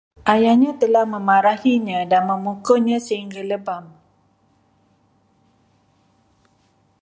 Ayahnya telah memarahinya dan memukulnya sehingga lebam